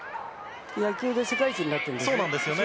野球で世界一になっているんですよね。